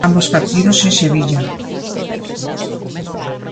Ambos partidos en Sevilla.